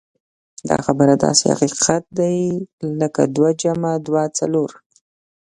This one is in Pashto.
دا خبره داسې حقيقت دی لکه دوه جمع دوه څلور.